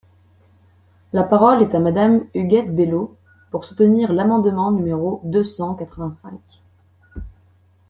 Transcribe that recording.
La parole est à Madame Huguette Bello, pour soutenir l’amendement numéro deux cent quatre-vingt-cinq.